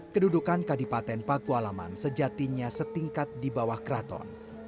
kedudukan kadipaten pakualaman sejatinya setingkat di bawah keraton